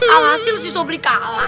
alhasil si sobri kalah